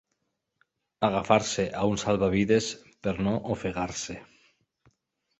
Agafar-se a un salvavides per no ofegar-se.